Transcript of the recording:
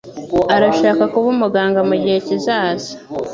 Arashaka kuba umuganga mugihe kizaza.